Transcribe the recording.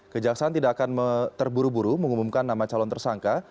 kejaksaan tidak akan terburu buru mengumumkan nama calon tersangka